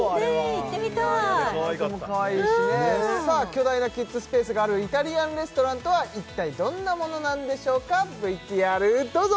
行ってみたいさあ巨大なキッズスペースがあるイタリアンレストランとは一体どんなものなんでしょうかＶＴＲどうぞ！